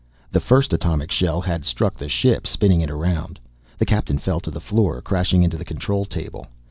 The first atomic shell had struck the ship, spinning it around. The Captain fell to the floor, crashing into the control table.